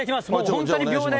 本当に秒で。